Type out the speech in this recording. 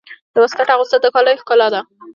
د واسکټ اغوستل د کالیو ښکلا ده.